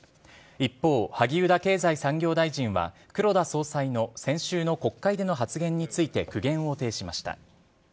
一方、萩生田経済産業大臣は、黒田総裁の先週の国会での発言について苦言を呈しました。